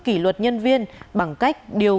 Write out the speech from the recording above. kỷ luật nhân viên bằng cách điều